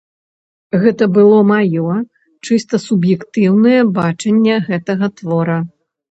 Гэта было маё, чыста суб'ектыўнае бачанне гэтага твора.